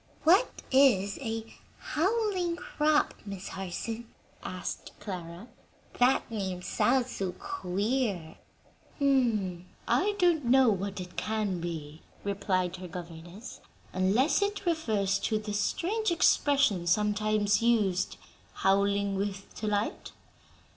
"What is 'a howling crop,' Miss Harson?" asked Clara. "That name sounds so queer!" "I don't know what it can be," replied her governess, "unless it refers to the strange expression sometimes used, 'howling with delight.'